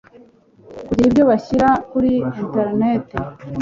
kugira ibyo bashyira kuri interineti